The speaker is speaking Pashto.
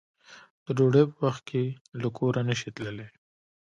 د ډوډۍ په وخت کې له کوره نشې تللی